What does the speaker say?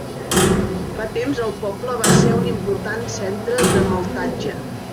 Fa temps el poble va ser un important centre de maltatge.